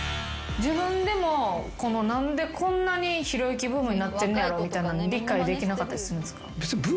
自分でも何でひろゆきブームになってんねやろみたいなの理解できなかったりするんですか？